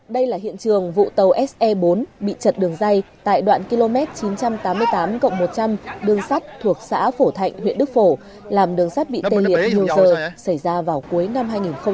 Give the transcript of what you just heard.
đây là hiện trường vụ tàu se bốn bị chật đường dây tại đoạn km chín trăm tám mươi tám cộng một trăm linh đường sắt thuộc xã phổ thạnh huyện đức phổ làm đường sắt bị tê liệt nhiều giờ xảy ra vào cuối năm hai nghìn một mươi bảy